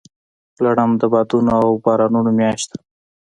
لړم د بادونو او بارانونو میاشت ده.